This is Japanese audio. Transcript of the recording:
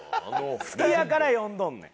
好きやから呼んどんねん。